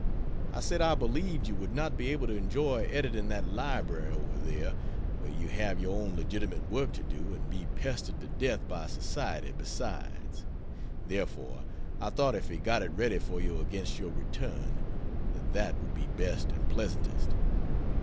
I said I believed you would not be able to enjoy editing that library over there, where you have your own legitimate work to do and be pestered to death by society besides; therefore I thought if he got it ready for you against your return, that that would be best and pleasantest.